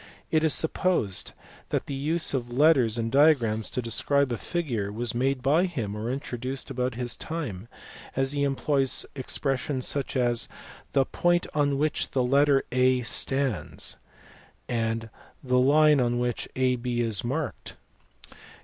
It is supposed that the use of letters in diagrams to describe a figure was made by him or introduced about his time, as he i employs expressions such as "the point on which the letter A stands" and "the line on which AB is marked."